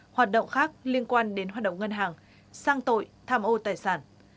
hoạt động khác liên quan đến hoạt động ngân hàng sang tội tham ô tài sản